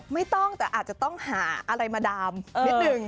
ไม่ต้องแต่อาจจะต้องหาอะไรมาดามนิดนึง